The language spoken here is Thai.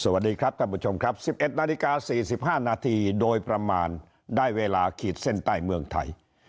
สวัสดีครับท่านผู้ชมครับ๑๑นาฬิกา๔๕นาทีโดยประมาณได้เวลาขีดเส้นใต้เมืองไทย